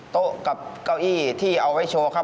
โต๊ะกับเก้าอี้ที่เอาไว้โชว์ครับ